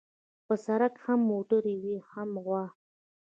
په سړک هم موټر وي هم غوا.